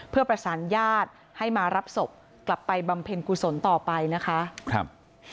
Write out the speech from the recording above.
เพื่อประสานญาติให้มารับศพกลับไปบำเพ็ญกุศลต่อไปนะคะครับ